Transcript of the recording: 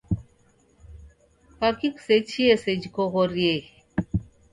Kwaki kusechie sejhi koghorieghe?